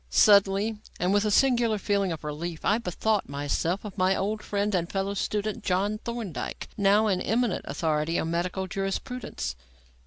Suddenly, and with a singular feeling of relief, I bethought myself of my old friend and fellow student, John Thorndyke, now an eminent authority on Medical Jurisprudence.